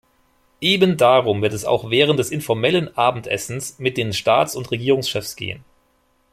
Eben darum wird es auch während des informellen Abendessens mit den Staatsund Regierungschefs gehen.